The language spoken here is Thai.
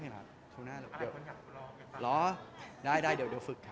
สองวันคือกับพี่ยุทธ